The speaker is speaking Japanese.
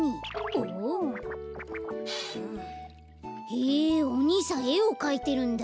へえおにいさんえをかいてるんだ。